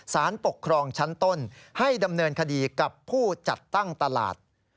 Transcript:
สารปกครองชั้นต้นให้ดำเนินคดีกับผู้จัดตั้งตลาด